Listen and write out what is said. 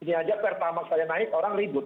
ini aja pertamax naik orang ribut